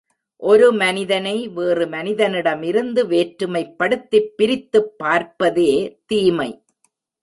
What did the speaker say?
ஒரு மனிதனை, வேறு மனிதனிடமிருந்து வேற்றுமைப்படுத்திப் பிரித்துப் பார்ப்பதே தீமை.